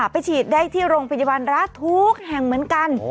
ไปฉีดได้ที่โรงพยาบาลรัฐทุกแห่งเหมือนกัน